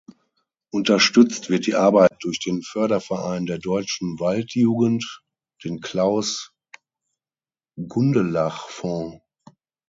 Unterstützt wird die Arbeit durch den Förderverein der Deutschen Waldjugend, den Klaus-Gundelach-Fonds.